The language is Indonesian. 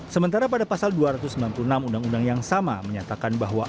sementara pada pasal dua ratus sembilan puluh enam undang undang yang sama menyatakan bahwa